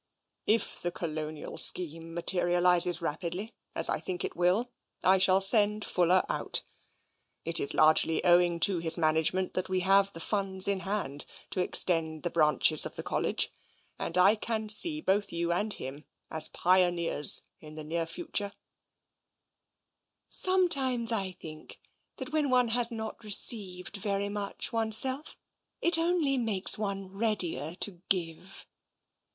." If the Colonial scheme materialises rapidly, as I think it will, I shall send Fuller out. It is largely owing to his management that we have the funds in hand to extend the branches of the College, and I can see both you and him as pioneers, in the near future, " Sometimes I think that when one has not received very much oneself, it only makes one readier to give.